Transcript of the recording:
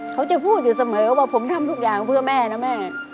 เขาจะพูดอยู่เสมอว่าผมทำทุกอย่างเพื่อแม่นะแม่